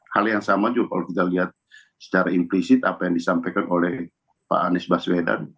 hal yang sama juga kalau kita lihat secara implisit apa yang disampaikan oleh pak anies baswedan